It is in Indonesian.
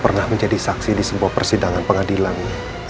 pernah menjadi saksi di sebuah persidangan pengadilan soal kasus pembunuhan